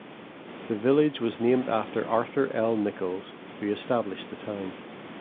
The village was named after Arthur L. Nichols, who established the town.